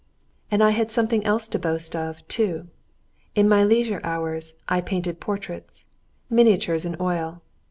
] And I had something else to boast of, too. In my leisure hours I painted portraits, miniatures in oil.